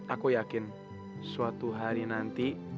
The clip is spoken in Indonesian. aku yakin suatu hari nanti